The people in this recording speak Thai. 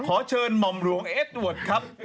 ขอเชิญหม่อมหลวงเอ็ดเวิร์ดครับ